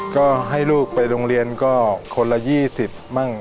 ก็ให้ลูกไปโรงเรียนก็คนละ๒๐มั่ง